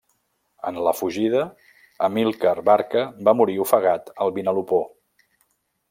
En la fugida, Amílcar Barca va morir ofegat al Vinalopó.